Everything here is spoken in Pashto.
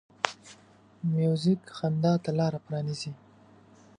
موزیک خندا ته لاره پرانیزي.